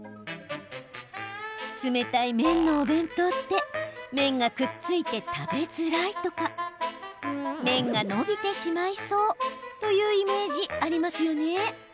冷たい麺のお弁当って麺がくっついて食べづらいとか麺が、のびてしまいそうというイメージありますよね？